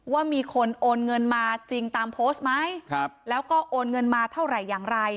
ว่ามีคนโอนเงินมาจริงตามโพสต์ไหมแล้วก็โอนเงินมาเท่าไหร่อย่างไร